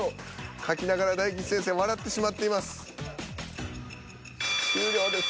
描きながら大吉先生笑ってしまっています。